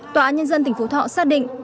tòa án nhân dân tỉnh phú thọ xác định